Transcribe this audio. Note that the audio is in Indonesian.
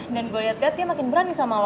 dan gue liat liat dia makin berani sama lo